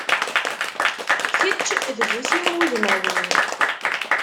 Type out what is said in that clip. Kečč d bu sin wudmanwen.